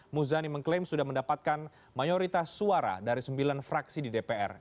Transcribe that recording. muzani mengklaim sudah mendapatkan mayoritas suara dari sembilan fraksi di dpr